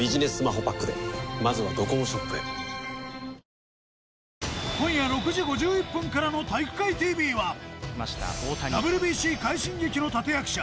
三ツ矢サイダー』今夜６時５１分からの体育会ＴＶはＷＢＣ快進撃の立て役者